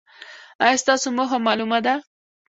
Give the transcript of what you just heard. ایا ستاسو موخه معلومه ده؟